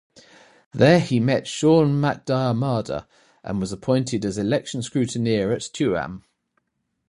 There he met Sean MacDiarmada and was appointed as election scrutineer at Tuam.